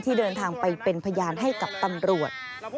เดินทางไปเป็นพยานให้กับตำรวจ